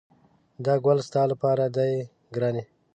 دا ګل ستا لپاره دی ګرانې!